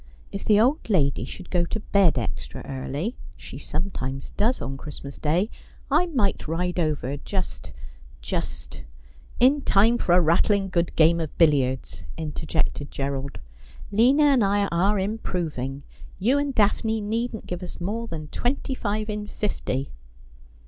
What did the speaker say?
If the old lady should go to bed extra early — she sometimes does on Christmas Day — I might ride over, just — just ' 'In time for a rattling good game of billiards,' interjected Gerald. ' Lina and I are improving. You and Daphne needn't give us more than twenty five in fifty.'